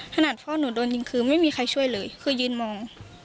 ขนาดพ่อหนูโดนยิงคือไม่มีใครช่วยเลยคือยืนมอง